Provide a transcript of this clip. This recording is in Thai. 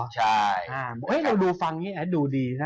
เล่าดูฟังนี้อะดูดี